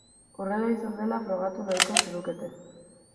Horrela izan dela frogatu nahiko zenukete.